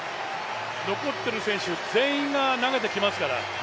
残ってる選手全員が投げてきますから。